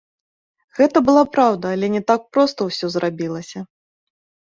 Гэта была праўда, але не так проста ўсё зрабілася.